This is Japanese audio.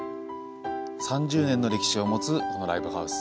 ３０年の歴史を持つライブハウス。